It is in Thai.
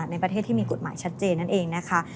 ในประเทศที่มีกฎหมายชัดเจนนั่นเองนะคะ